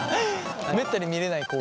めったに見れない光景。